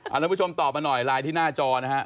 ท่านผู้ชมตอบมาหน่อยไลน์ที่หน้าจอนะฮะ